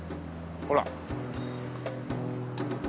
ほら。